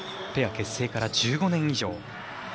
ペア結成から１５年以上。